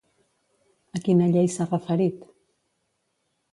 A quina llei s'ha referit?